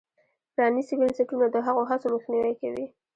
پرانیستي بنسټونه د هغو هڅو مخنیوی کوي.